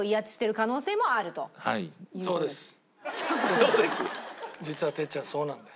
「そうです」！？